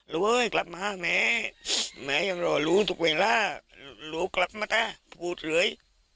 รู้เว้ยกลับมาแม่แม่ยังรอรู้ทุกเวลารู้กลับมาต้ะพูดเหลือย